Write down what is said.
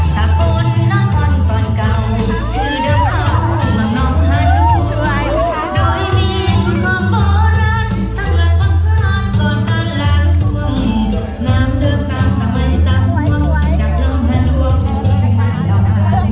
ถ้าคนน่าคล่อนก่อนกลัวคือดังน้องหาดูมันน้องหาดูมดาวินีของปอรันทั้งละปังกราบกับละครั้งเชิงว่ามีน้ำนืมตาทำให้ตากล้องยังยังเห็นว่าไม่เป็นใคร